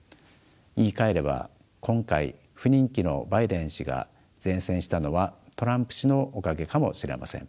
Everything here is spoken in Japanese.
言いかえれば今回不人気のバイデン氏が善戦したのはトランプ氏のおかげかもしれません。